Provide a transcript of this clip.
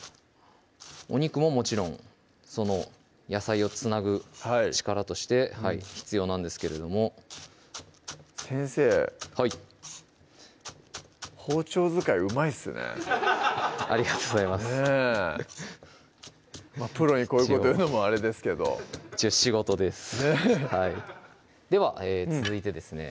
お肉ももちろんその野菜をつなぐ力として必要なんですけれども先生包丁使いうまいっすねありがとうございますねぇプロにこういうこと言うのもあれですけど一応仕事ですはいでは続いてですね